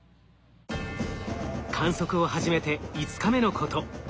観測を始めて５日目のこと。